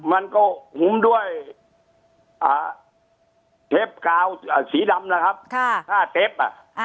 มันก็หุ้มด้วยเทปกาวสีดำนะครับผ้าเต็ป